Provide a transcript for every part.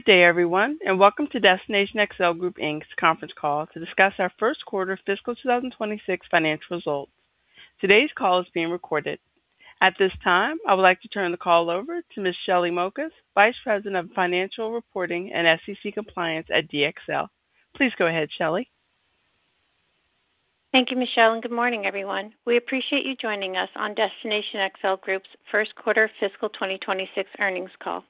Good day everyone, and welcome to Destination XL Group, Inc.'s conference call to discuss our first quarter fiscal 2026 financial results. Today's call is being recorded. At this time, I would like to turn the call over to Ms. Shelly Mokas, Vice President of Financial Reporting and SEC Compliance at DXL. Please go ahead, Shelly. Thank you, Michelle. Good morning everyone. We appreciate you joining us on Destination XL Group's first quarter fiscal 2026 earnings call.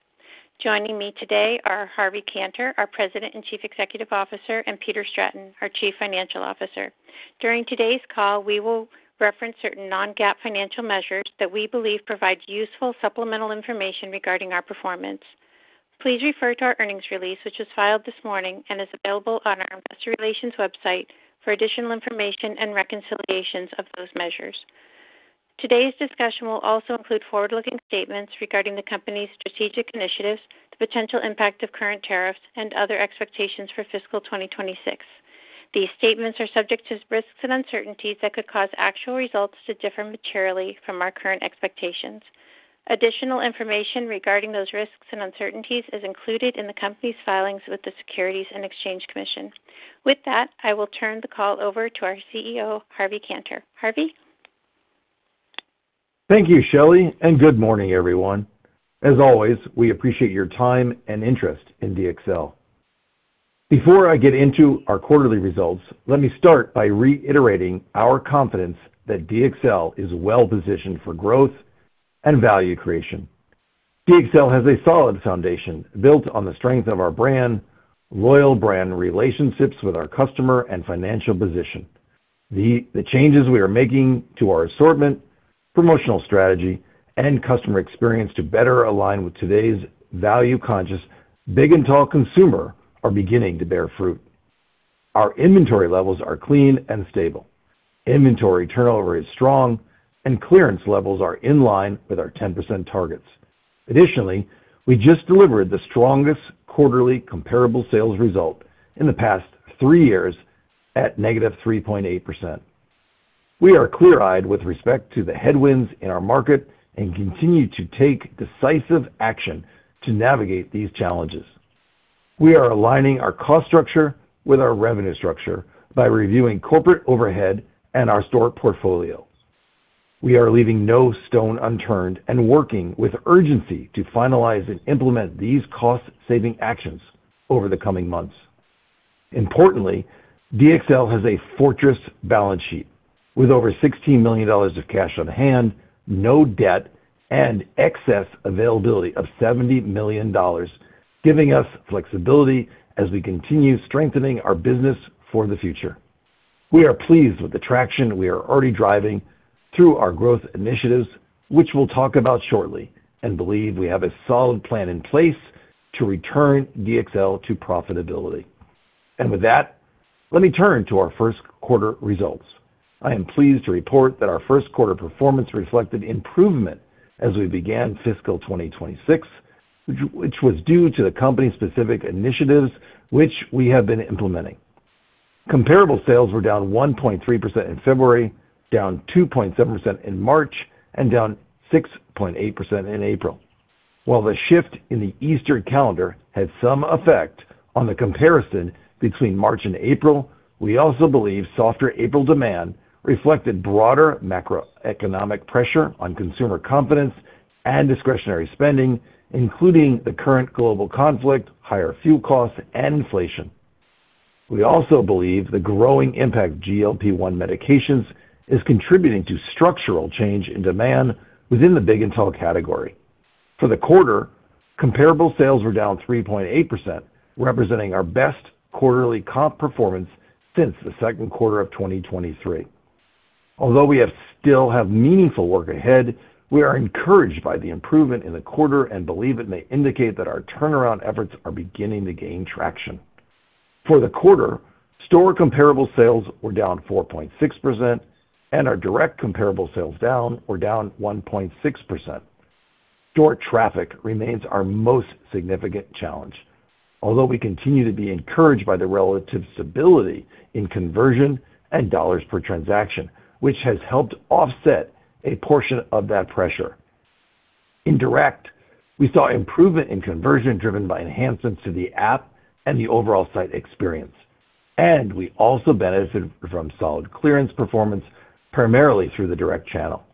Joining me today are Harvey Kanter, our President and Chief Executive Officer, and Peter Stratton, our Chief Financial Officer. During today's call, we will reference certain non-GAAP financial measures that we believe provide useful supplemental information regarding our performance. Please refer to our earnings release, which was filed this morning and is available on our investor relations website for additional information and reconciliations of those measures. Today's discussion will also include forward-looking statements regarding the company's strategic initiatives, the potential impact of current tariffs, and other expectations for fiscal 2026. These statements are subject to risks and uncertainties that could cause actual results to differ materially from our current expectations. Additional information regarding those risks and uncertainties is included in the company's filings with the Securities and Exchange Commission. With that, I will turn the call over to our CEO, Harvey Kanter. Harvey? Thank you, Shelly, and good morning everyone. As always, we appreciate your time and interest in DXL. Before I get into our quarterly results, let me start by reiterating our confidence that DXL is well-positioned for growth and value creation. DXL has a solid foundation built on the strength of our brand, loyal brand relationships with our customer, and financial position. The changes we are making to our assortment, promotional strategy, and customer experience to better align with today's value-conscious, big-and-tall consumer are beginning to bear fruit. Our inventory levels are clean and stable. Inventory turnover is strong, and clearance levels are in line with our 10% targets. We just delivered the strongest quarterly comparable sales result in the past three years at -3.8%. We are clear-eyed with respect to the headwinds in our market and continue to take decisive action to navigate these challenges. We are aligning our cost structure with our revenue structure by reviewing corporate overhead and our store portfolio. We are leaving no stone unturned and working with urgency to finalize and implement these cost-saving actions over the coming months. Importantly, DXL has a fortress balance sheet with over $16 million of cash on hand, no debt, and excess availability of $70 million, giving us flexibility as we continue strengthening our business for the future. We are pleased with the traction we are already driving through our growth initiatives, which we'll talk about shortly, and believe we have a solid plan in place to return DXL to profitability. With that, let me turn to our first quarter results. I am pleased to report that our first quarter performance reflected improvement as we began fiscal 2026, which was due to the company's specific initiatives which we have been implementing. Comparable sales were down 1.3% in February, down 2.7% in March, and down 6.8% in April. While the shift in the Easter calendar had some effect on the comparison between March and April, we also believe softer April demand reflected broader macroeconomic pressure on consumer confidence and discretionary spending, including the current global conflict, higher fuel costs, and inflation. We also believe the growing impact of GLP-1 medications is contributing to structural change in demand within the big-and-tall category. For the quarter, comparable sales were down 3.8%, representing our best quarterly comp performance since the second quarter of 2023. Although we still have meaningful work ahead, we are encouraged by the improvement in the quarter and believe it may indicate that our turnaround efforts are beginning to gain traction. For the quarter, store comparable sales were down 4.6%, and our direct comparable sales were down 1.6%. Store traffic remains our most significant challenge. Although we continue to be encouraged by the relative stability in conversion and dollars per transaction, which has helped offset a portion of that pressure. In direct, we saw improvement in conversion driven by enhancements to the app and the overall site experience, and we also benefited from solid clearance performance, primarily through the direct channel.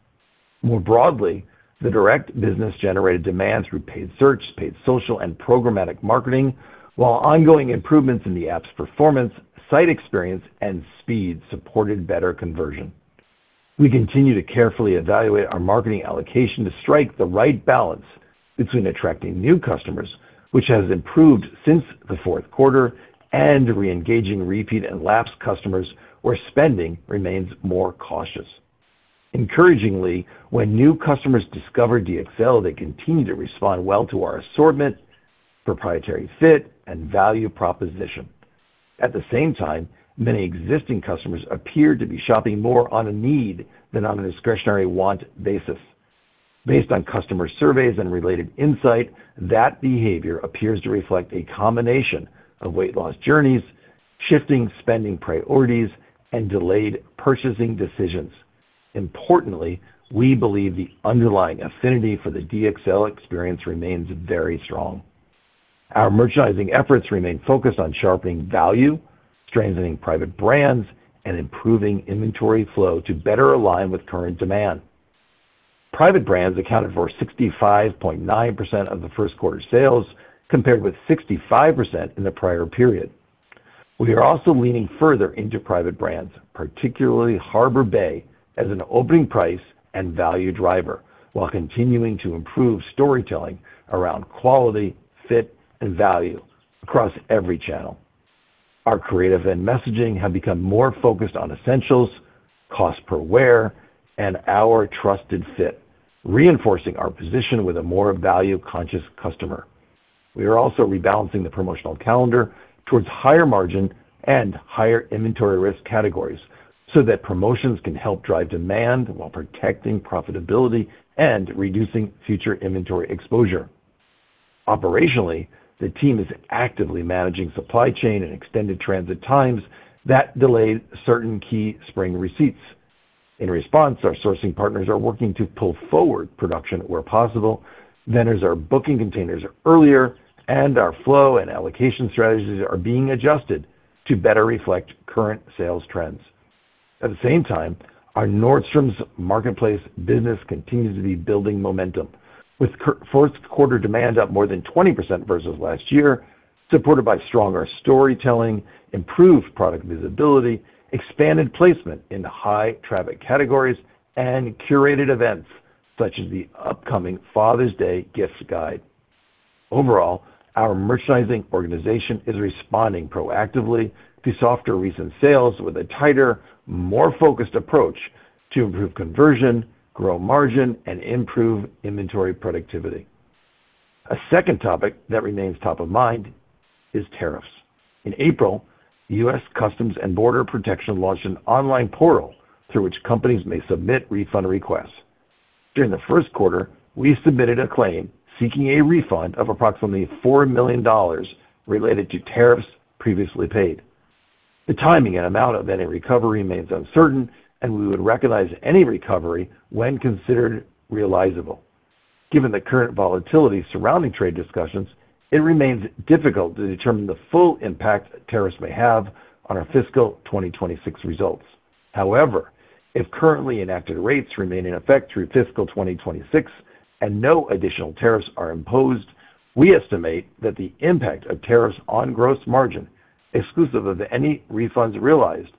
More broadly, the direct business generated demand through paid search, paid social, and programmatic marketing, while ongoing improvements in the app's performance, site experience, and speed supported better conversion. We continue to carefully evaluate our marketing allocation to strike the right balance between attracting new customers, which has improved since the fourth quarter, and re-engaging repeat and lapsed customers where spending remains more cautious. Encouragingly, when new customers discover DXL, they continue to respond well to our assortment, proprietary fit, and value proposition. At the same time, many existing customers appear to be shopping more on a need than on a discretionary want basis. Based on customer surveys and related insight, that behavior appears to reflect a combination of weight loss journeys, shifting spending priorities, and delayed purchasing decisions. Importantly, we believe the underlying affinity for the DXL experience remains very strong. Our merchandising efforts remain focused on sharpening value, strengthening private brands, and improving inventory flow to better align with current demand. Private brands accounted for 65.9% of the first quarter sales, compared with 65% in the prior period. We are also leaning further into private brands, particularly Harbor Bay, as an opening price and value driver, while continuing to improve storytelling around quality, fit, and value across every channel. Our creative and messaging have become more focused on essentials, cost per wear, and our trusted fit, reinforcing our position with a more value-conscious customer. We are also rebalancing the promotional calendar towards higher margin and higher inventory risk categories so that promotions can help drive demand while protecting profitability and reducing future inventory exposure. Operationally, the team is actively managing supply chain and extended transit times that delay certain key spring receipts. In response, our sourcing partners are working to pull forward production where possible, vendors are booking containers earlier, and our flow and allocation strategies are being adjusted to better reflect current sales trends. At the same time, our Nordstrom marketplace business continues to be building momentum with first quarter demand up more than 20% versus last year, supported by stronger storytelling, improved product visibility, expanded placement in high traffic categories, and curated events such as the upcoming Father's Day gifts guide. Overall, our merchandising organization is responding proactively to softer recent sales with a tighter, more focused approach to improve conversion, grow margin, and improve inventory productivity. A second topic that remains top of mind is tariffs. In April, U.S. Customs and Border Protection launched an online portal through which companies may submit refund requests. During the first quarter, we submitted a claim seeking a refund of approximately $4 million related to tariffs previously paid. The timing and amount of any recovery remains uncertain, and we would recognize any recovery when considered realizable. Given the current volatility surrounding trade discussions, it remains difficult to determine the full impact tariffs may have on our fiscal 2026 results. However, if currently enacted rates remain in effect through fiscal 2026 and no additional tariffs are imposed, we estimate that the impact of tariffs on gross margin, exclusive of any refunds realized,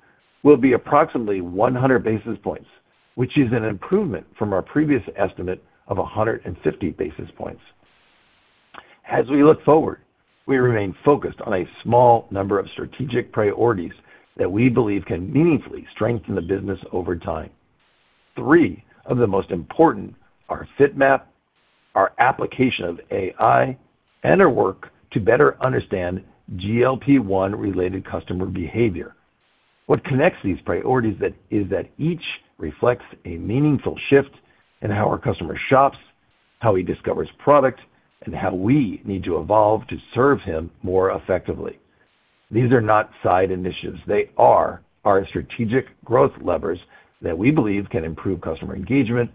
will be approximately 100 basis points, which is an improvement from our previous estimate of 150 basis points. As we look forward, we remain focused on a small number of strategic priorities that we believe can meaningfully strengthen the business over time. Three of the most important are FitMap, our application of AI, and our work to better understand GLP-1 related customer behavior. What connects these priorities is that each reflects a meaningful shift in how our customer shops, how he discovers product, and how we need to evolve to serve him more effectively. These are not side initiatives. They are our strategic growth levers that we believe can improve customer engagement,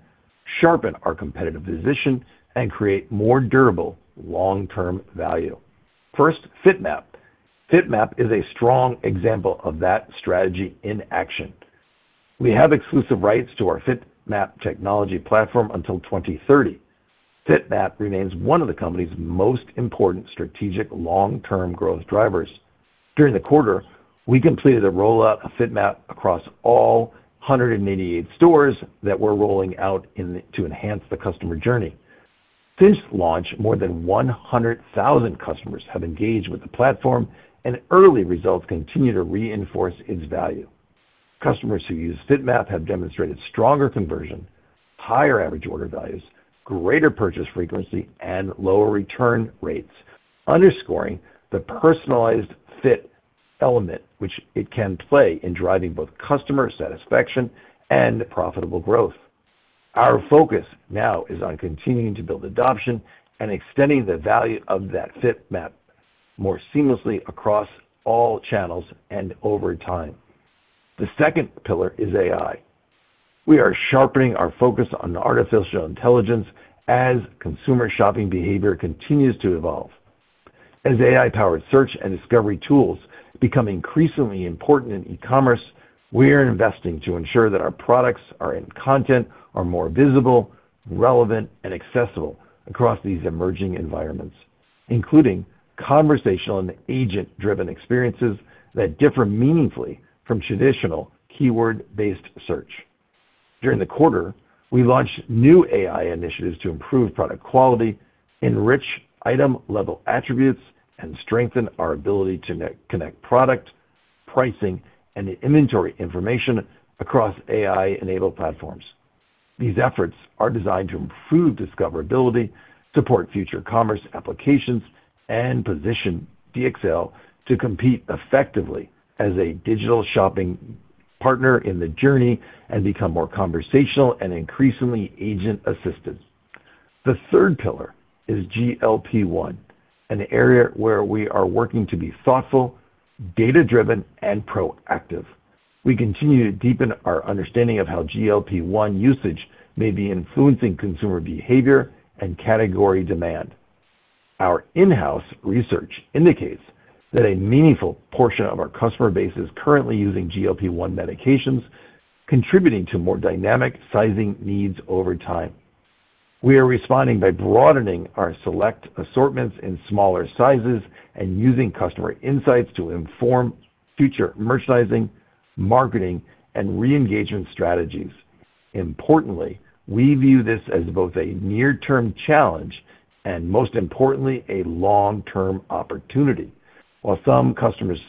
sharpen our competitive position, and create more durable long-term value. First, FitMap. FitMap is a strong example of that strategy in action. We have exclusive rights to our FitMap technology platform until 2030. FitMap remains one of the company's most important strategic long-term growth drivers. During the quarter, we completed a rollout of FitMap across all 188 stores that we're rolling out to enhance the customer journey. Since launch, more than 100,000 customers have engaged with the platform, and early results continue to reinforce its value. Customers who use FitMap have demonstrated stronger conversion, higher average order values, greater purchase frequency, and lower return rates, underscoring the personalized fit element which it can play in driving both customer satisfaction and profitable growth. Our focus now is on continuing to build adoption and extending the value of that FitMap more seamlessly across all channels and over time. The second pillar is AI. We are sharpening our focus on artificial intelligence as consumer shopping behavior continues to evolve. As AI-powered search and discovery tools become increasingly important in e-commerce, we are investing to ensure that our products and content are more visible, relevant, and accessible across these emerging environments, including conversational and agent-driven experiences that differ meaningfully from traditional keyword-based search. During the quarter, we launched new AI initiatives to improve product quality, enrich item-level attributes, and strengthen our ability to connect product, pricing, and inventory information across AI-enabled platforms. These efforts are designed to improve discoverability, support future commerce applications, and position DXL to compete effectively as a digital shopping partner in the journey and become more conversational and increasingly agent-assisted. The third pillar is GLP-1, an area where we are working to be thoughtful, data-driven, and proactive. We continue to deepen our understanding of how GLP-1 usage may be influencing consumer behavior and category demand. Our in-house research indicates that a meaningful portion of our customer base is currently using GLP-1 medications, contributing to more dynamic sizing needs over time. We are responding by broadening our select assortments in smaller sizes and using customer insights to inform future merchandising, marketing, and re-engagement strategies. Importantly, we view this as both a near-term challenge and, most importantly, a long-term opportunity. While some customers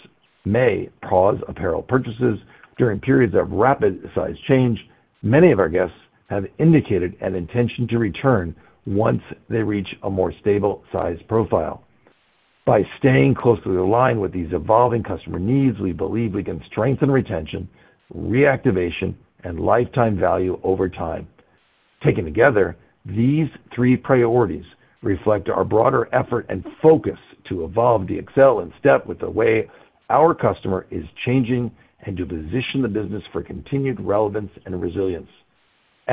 may pause apparel purchases during periods of rapid size change, many of our guests have indicated an intention to return once they reach a more stable size profile. By staying closely aligned with these evolving customer needs, we believe we can strengthen retention, reactivation, and lifetime value over time. Taken together, these three priorities reflect our broader effort and focus to evolve the DXL in step with the way our customer is changing and to position the business for continued relevance and resilience.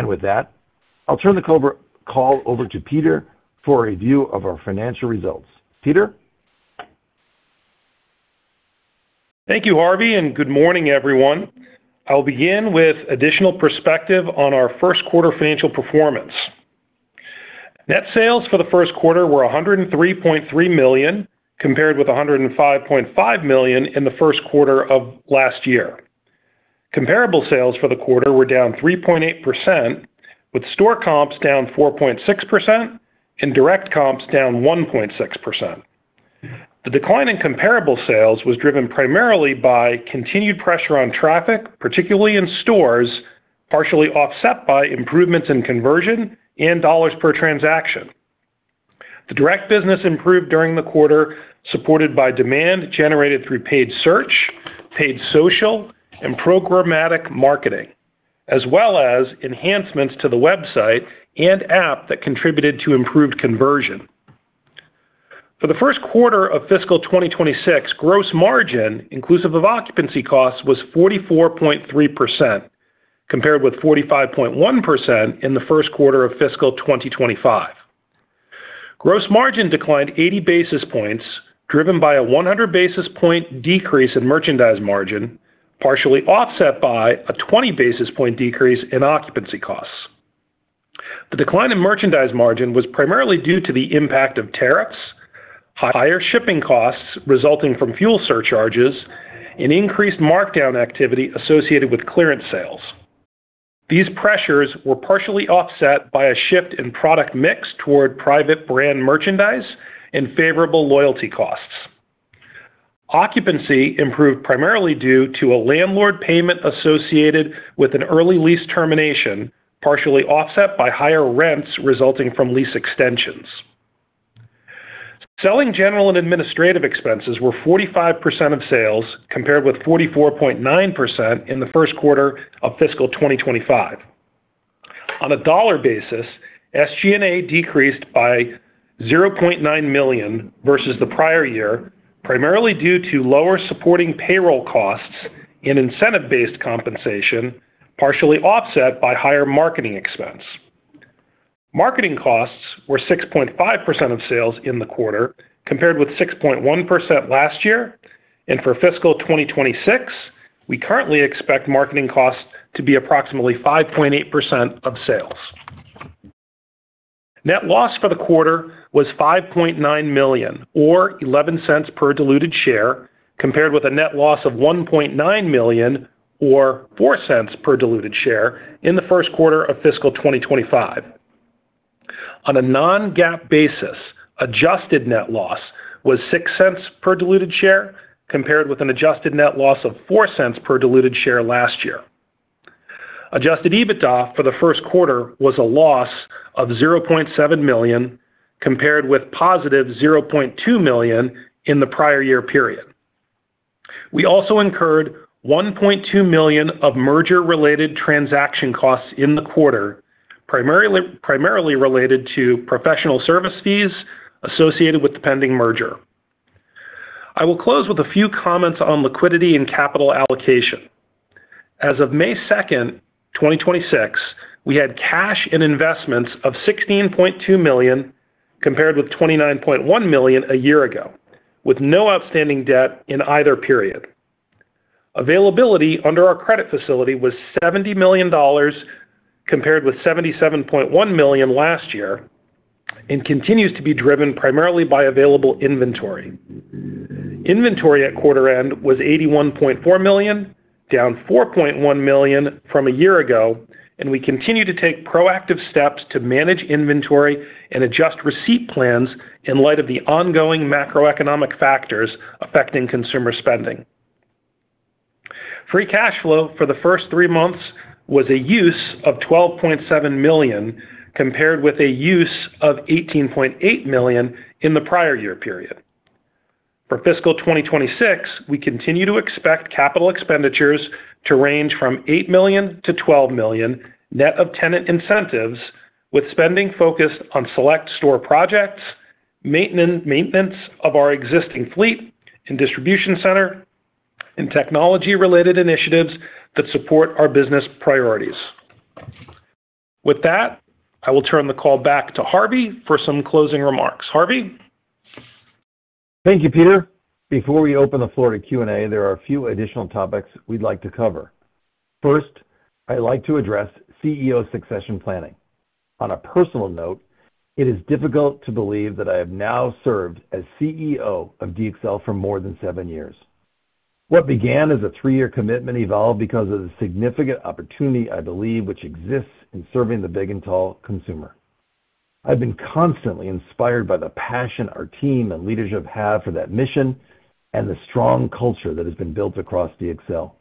With that, I'll turn the call over to Peter for a review of our financial results. Peter? Thank you, Harvey. Good morning, everyone. I'll begin with additional perspective on our first quarter financial performance. Net sales for the first quarter were $103.3 million, compared with $105.5 million in the first quarter of last year. Comparable sales for the quarter were down 3.8%, with store comps down 4.6% and direct comps down 1.6%. The decline in comparable sales was driven primarily by continued pressure on traffic, particularly in stores, partially offset by improvements in conversion and dollars per transaction. The direct business improved during the quarter, supported by demand generated through paid search, paid social, and programmatic marketing, as well as enhancements to the website and app that contributed to improved conversion. For the first quarter of fiscal 2026, gross margin, inclusive of occupancy costs, was 44.3%, compared with 45.1% in the first quarter of fiscal 2025. Gross margin declined 80 basis points, driven by a 100 basis point decrease in merchandise margin, partially offset by a 20 basis point decrease in occupancy costs. The decline in merchandise margin was primarily due to the impact of tariffs, higher shipping costs resulting from fuel surcharges, and increased markdown activity associated with clearance sales. These pressures were partially offset by a shift in product mix toward private brand merchandise and favorable loyalty costs. Occupancy improved primarily due to a landlord payment associated with an early lease termination, partially offset by higher rents resulting from lease extensions. Selling, general, and administrative expenses were 45% of sales, compared with 44.9% in the first quarter of fiscal 2025. On a dollar basis, SG&A decreased by $900,000 versus the prior year, primarily due to lower supporting payroll costs and incentive-based compensation, partially offset by higher marketing expense. Marketing costs were 6.5% of sales in the quarter, compared with 6.1% last year. For fiscal 2026, we currently expect marketing costs to be approximately 5.8% of sales. Net loss for the quarter was $5.9 million, or $0.11 per diluted share, compared with a net loss of $1.9 million, or $0.04 per diluted share in the first quarter of fiscal 2025. On a non-GAAP basis, adjusted net loss was $0.06 per diluted share, compared with an adjusted net loss of $0.04 per diluted share last year. Adjusted EBITDA for the first quarter was a loss of $700,000, compared with +$200,000 in the prior year period. We also incurred $1.2 million of merger-related transaction costs in the quarter, primarily related to professional service fees associated with the pending merger. I will close with a few comments on liquidity and capital allocation. As of May 2nd, 2026, we had cash and investments of $16.2 million, compared with $29.1 million a year ago, with no outstanding debt in either period. Availability under our credit facility was $70 million, compared with $77.1 million last year, and continues to be driven primarily by available inventory. Inventory at quarter end was $81.4 million, down $4.1 million from a year ago, and we continue to take proactive steps to manage inventory and adjust receipt plans in light of the ongoing macroeconomic factors affecting consumer spending. Free cash flow for the first three months was a use of $12.7 million, compared with a use of $18.8 million in the prior year period. For fiscal 2026, we continue to expect capital expenditures to range from $8 million-$12 million net of tenant incentives, with spending focused on select store projects, maintenance of our existing fleet and distribution center, and technology-related initiatives that support our business priorities. With that, I will turn the call back to Harvey for some closing remarks. Harvey? Thank you, Peter. Before we open the floor to Q&A, there are a few additional topics we'd like to cover. First, I'd like to address CEO succession planning. On a personal note, it is difficult to believe that I have now served as CEO of DXL for more than seven years. What began as a three-year commitment evolved because of the significant opportunity, I believe, which exists in serving the big and tall consumer. I've been constantly inspired by the passion our team and leadership have for that mission, and the strong culture that has been built across DXL.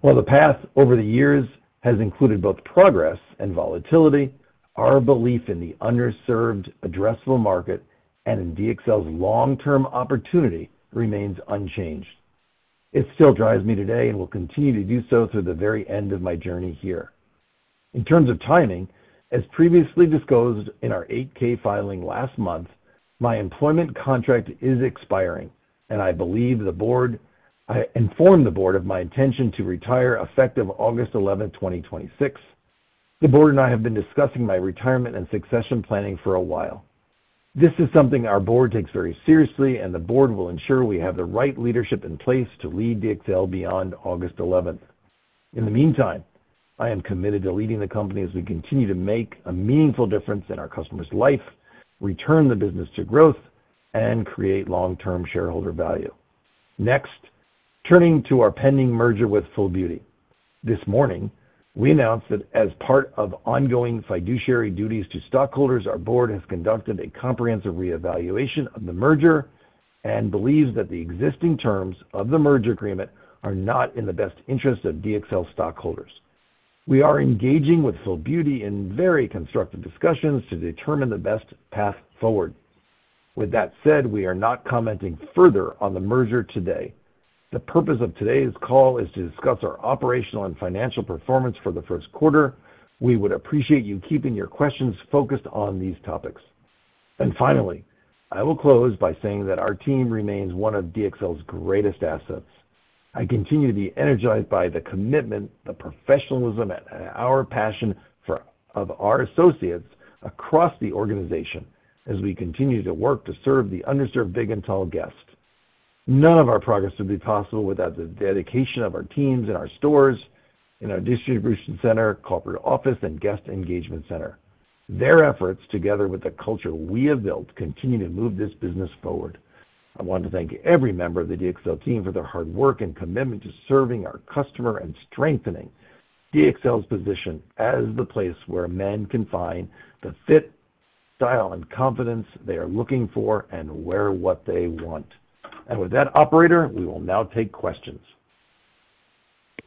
While the path over the years has included both progress and volatility, our belief in the underserved addressable market and in DXL's long-term opportunity remains unchanged. It still drives me today and will continue to do so through the very end of my journey here. In terms of timing, as previously disclosed in our 8-K filing last month, my employment contract is expiring, and I informed the board of my intention to retire effective August 11th, 2026. The board and I have been discussing my retirement and succession planning for a while. This is something our board takes very seriously, and the board will ensure we have the right leadership in place to lead DXL beyond August 11th. In the meantime, I am committed to leading the company as we continue to make a meaningful difference in our customer's life, return the business to growth, and create long-term shareholder value. Next, turning to our pending merger with FullBeauty. This morning, we announced that as part of ongoing fiduciary duties to stockholders, our board has conducted a comprehensive reevaluation of the merger and believes that the existing terms of the merger agreement are not in the best interest of DXL stockholders. We are engaging with FullBeauty in very constructive discussions to determine the best path forward. With that said, we are not commenting further on the merger today. The purpose of today's call is to discuss our operational and financial performance for the first quarter. We would appreciate you keeping your questions focused on these topics. Finally, I will close by saying that our team remains one of DXL's greatest assets. I continue to be energized by the commitment, the professionalism, and our passion of our associates across the organization as we continue to work to serve the underserved big and tall guests. None of our progress would be possible without the dedication of our teams in our stores, in our distribution center, corporate office, and guest engagement center. Their efforts, together with the culture we have built, continue to move this business forward. I want to thank every member of the DXL team for their hard work and commitment to serving our customer and strengthening DXL's position as the place where men can find the fit, style, and confidence they are looking for and wear what they want. With that, operator, we will now take questions.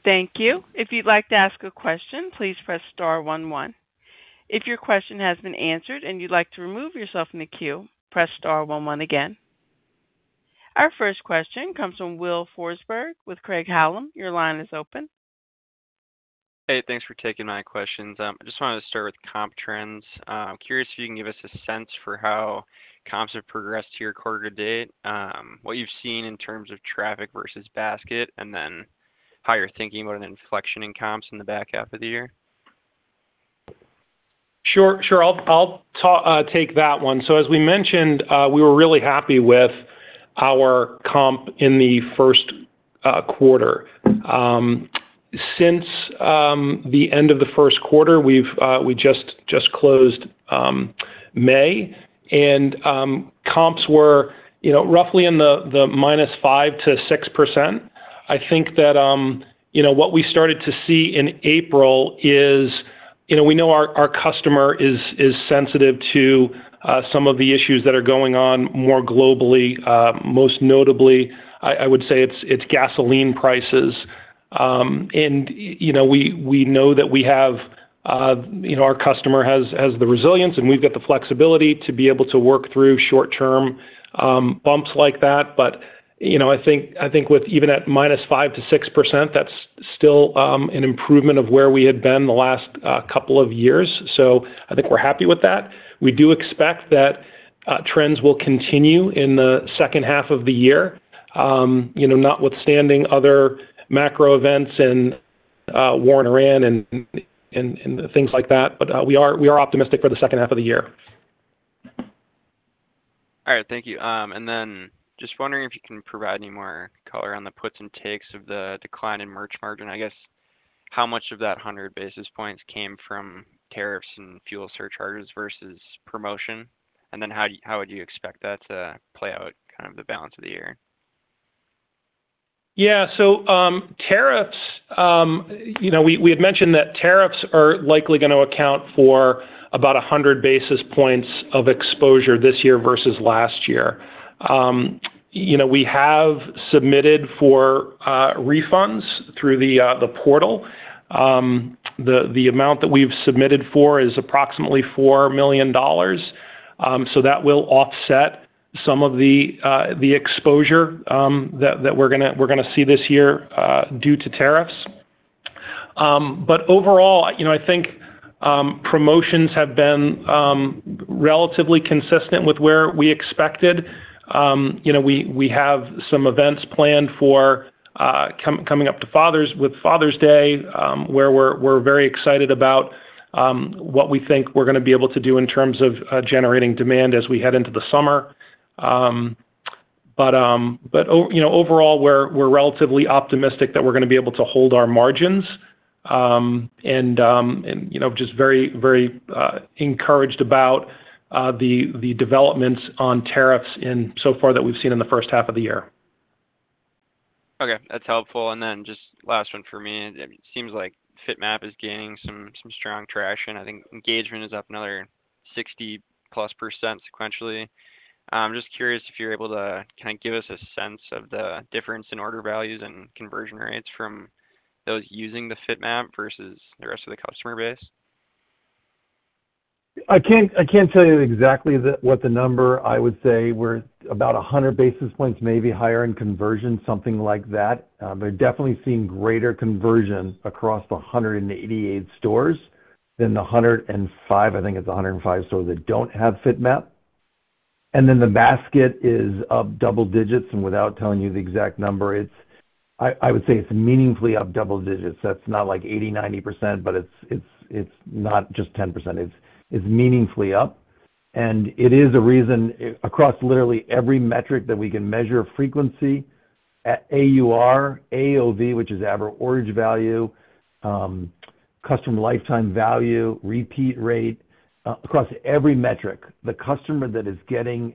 Thank you. If you'd like to ask a question, please press star one one. If your question has been answered and you'd like to remove yourself from the queue, press star one one again. Our first question comes from Will Forsberg with Craig-Hallum. Your line is open. Hey, thanks for taking my questions. I just wanted to start with comp trends. I'm curious if you can give us a sense for how comps have progressed to your quarter to date, what you've seen in terms of traffic versus basket, and then how you're thinking about an inflection in comps in the back half of the year. Sure. I'll take that one. As we mentioned, we were really happy with our comp in the first quarter. Since the end of the first quarter, we just closed May, and comps were roughly in the -5% to -6%. I think that what we started to see in April is. We know our customer is sensitive to some of the issues that are going on more globally. Most notably, I would say it's gasoline prices. We know that our customer has the resilience, and we've got the flexibility to be able to work through short-term bumps like that. I think even at -5% to -6%, that's still an improvement of where we had been the last couple of years. I think we're happy with that. We do expect that trends will continue in the second half of the year. Notwithstanding other macro events and war in Iran and things like that. We are optimistic for the second half of the year. All right. Thank you. Just wondering if you can provide any more color on the puts and takes of the decline in merch margin. I guess, how much of that 100 basis points came from tariffs and fuel surcharges versus promotion? How would you expect that to play out kind of the balance of the year? Yeah. We had mentioned that tariffs are likely going to account for about 100 basis points of exposure this year versus last year. We have submitted for refunds through the portal. The amount that we've submitted for is approximately $4 million. That will offset some of the exposure that we're going to see this year due to tariffs. Overall, I think promotions have been relatively consistent with where we expected. We have some events planned for coming up with Father's Day, where we're very excited about what we think we're going to be able to do in terms of generating demand as we head into the summer. Overall, we're relatively optimistic that we're going to be able to hold our margins, and just very encouraged about the developments on tariffs in so far that we've seen in the first half of the year. Okay. That's helpful. Just last one for me. It seems like FitMap is gaining some strong traction. I think engagement is up another +60% sequentially. I'm just curious if you're able to give us a sense of the difference in order values and conversion rates from those using the FitMap versus the rest of the customer base. I can't tell you exactly what the number. I would say we're about 100 basis points, maybe higher in conversion, something like that. Definitely seeing greater conversion across the 188 stores than the 105, I think it's 105 stores that don't have FitMap. The basket is up double digits, and without telling you the exact number, I would say it's meaningfully up double digits. That's not like 80%-90%, but it's not just 10%. It's meaningfully up. It is a reason across literally every metric that we can measure frequency at AUR, AOV, which is average order value, customer lifetime value, repeat rate, across every metric. The customer that is getting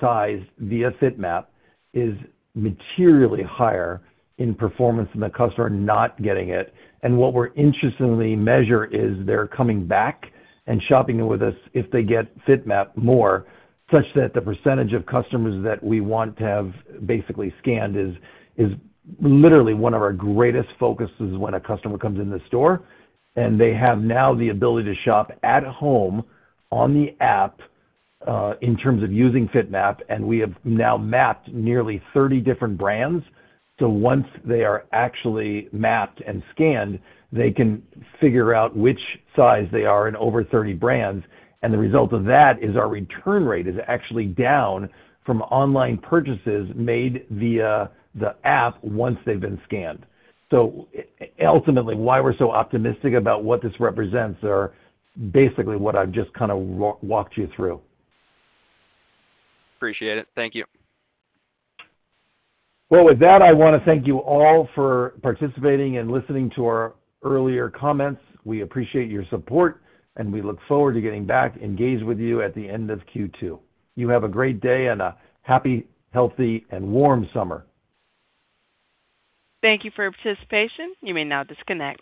size via FitMap is materially higher in performance than the customer not getting it. What we're interestingly measure is they're coming back and shopping with us if they get FitMap more, such that the percentage of customers that we want to have basically scanned is literally one of our greatest focuses when a customer comes in the store, and they have now the ability to shop at home on the app, in terms of using FitMap, and we have now mapped nearly 30 different brands. Once they are actually mapped and scanned, they can figure out which size they are in over 30 brands. The result of that is our return rate is actually down from online purchases made via the app once they've been scanned. Ultimately, why we're so optimistic about what this represents are basically what I've just walked you through. Appreciate it. Thank you. Well, with that, I want to thank you all for participating and listening to our earlier comments. We appreciate your support, and we look forward to getting back engaged with you at the end of Q2. You have a great day and a happy, healthy, and warm summer. Thank you for your participation. You may now disconnect.